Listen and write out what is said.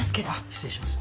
失礼します。